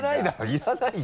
いらないよ！